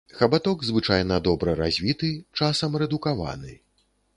Хабаток звычайна добра развіты, часам рэдукаваны.